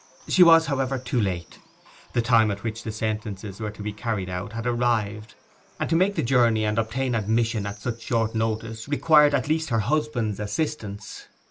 She was, however, too late. The time at which the sentences were to be carried out had arrived, and to make the journey and obtain admission at such short notice required at least her husband's assistance.